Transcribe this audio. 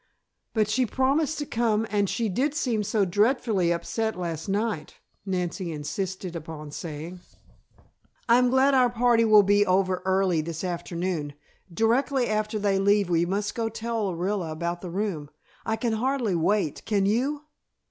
"But she promised to come and she did seem so dreadfully upset last night," Nancy insisted upon saying. "I'm glad our party will be over early this afternoon. Directly after they leave we must go tell Orilla about the room. I can hardly wait, can you?"